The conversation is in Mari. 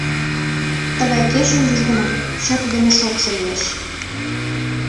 Тыгай кечын южгунам чытыдыме шокшо лиеш